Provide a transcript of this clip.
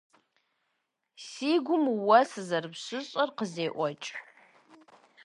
Си гум уэ сызэрыпщыщӀэр къызеӀуэкӀ.